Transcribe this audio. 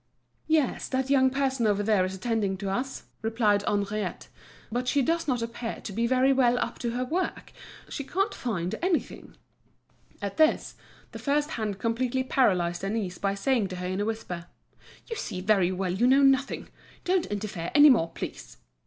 "Yes, that young person over there is attending to us," replied Henriette. "But she does not appear to be very well up to her work; she can't find anything." At this, the first hand completely paralysed Denise by saying to her in a whisper: "You see very well you know nothing. Don't interfere any more, please."